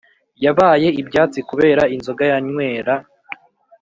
Yabaye ibyatsi kubera inzoga yanywera